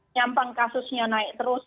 nyampang kasusnya naik terus